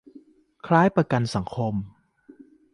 คล้ายประกันสังคม